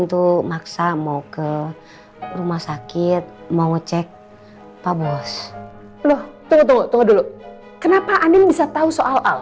tunggu tunggu dulu kenapa andien bisa tau soal al